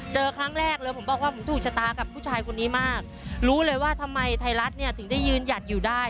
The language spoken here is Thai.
เจอครั้งแรกเลยผมบอกว่าผมถูกชะตากับนะวรู้เลยทำไมไทยรัฐถึงยืนหยัดอยู่ได้